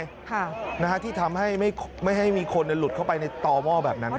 ค่ะนะฮะที่ทำให้ไม่ไม่ให้มีคนหลุดเข้าไปในต่อหม้อแบบนั้น